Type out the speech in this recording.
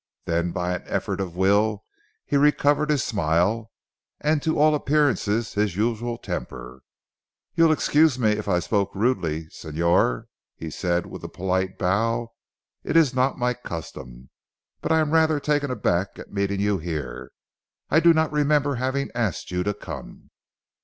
Then by an effort of will he recovered his smile, and to all appearances his usual temper. "You will excuse me if I spoke rudely Señor," he said with a polite how, "it is not my custom. But I am rather taken aback at meeting you here. I do not remember having asked you to come."